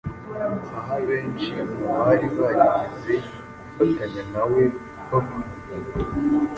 aho abenshi mu bari barigeze gufatanya nawe babaga;